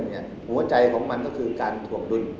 หัวใจของมันก็คือการถวงดุล